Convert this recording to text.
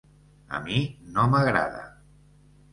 A mi no m’agrada.